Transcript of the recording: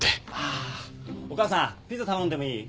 あお母さんピザ頼んでもいい？